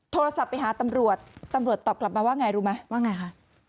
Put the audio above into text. โทรศัพท์ไปหาตำรวจตำรวจตอบกลับมาว่าไงรู้ไหมว่าไงคะ